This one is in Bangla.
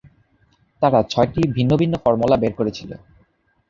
তারা ছয়টি ভিন্ন ভিন্ন ফর্মুলা বের করেছিল।